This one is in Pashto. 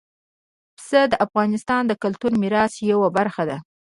پسه د افغانستان د کلتوري میراث یوه برخه ده.